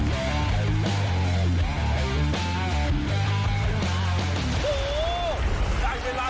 ได้เวลาที่จะหาผู้โชคดีแล้ว